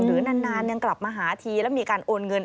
หรือนานยังกลับมาหาทีแล้วมีการโอนเงิน